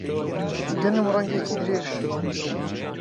گەنم ڕەنگێکی درێژ